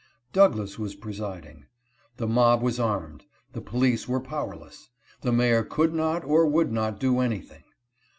Douglass was presid ing. The mob was armed ; the police were powerless ; the mayor could not or would not do anything.